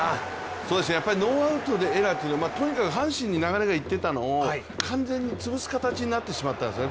ノーアウトでエラーというのは阪神に流れがいっていたのを完全に潰す形になってしまったんですね。